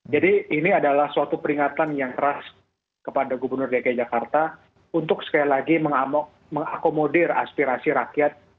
jadi ini adalah suatu peringatan yang keras kepada gubernur dki jakarta untuk sekali lagi mengakomodir aspirasi rakyat